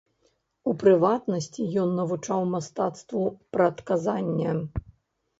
У прыватнасці ён навучаў мастацтву прадказання.